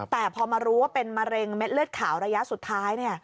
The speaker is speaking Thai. แต่พอมารู้ว่าเป็นมะเร็งเม็ดเลือดขาวระยะสุดท้าย